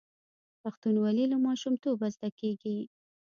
پښتونولي له ماشومتوبه زده کیږي.